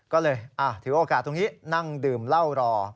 ก็เลยถือโอกาสตรงนี้นั่งดื่มเหล้ารอ